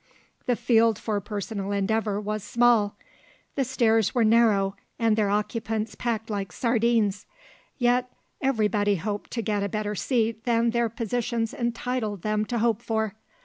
The field for personal endeavour was small; the stairs were narrow and their occupants packed like sardines; yet everybody hoped to get a better seat than their positions entitled them to hope for.